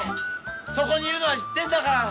そこにいるのは知ってんだから！